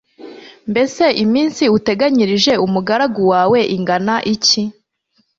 Mbese iminsi uteganyirije umugaragu wawe ingana iki?